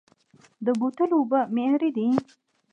د بوتلو اوبه معیاري دي؟